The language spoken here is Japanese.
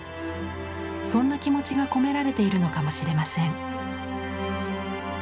そんな気持ちが込められているのかもしれません。